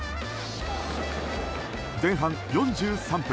前半４３分。